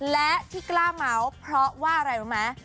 และที่กล้าเมาส์เพราะว่าอะไรรู้ไหม